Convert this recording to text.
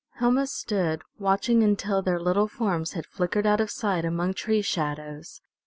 Helma stood watching until their little forms had flickered out of sight among tree shadows.